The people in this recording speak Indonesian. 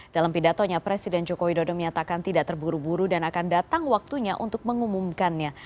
dalam pidatonya presiden joko widodo menyatakan tidak terburu buru dan akan datang waktunya untuk mengumumkannya